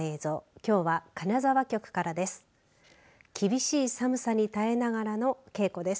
きょうは金沢局からです。